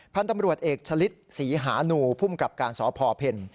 พันธุ์ตำรวจเอกชฤษศรีหานู่ผู้มกับการศพเพลิน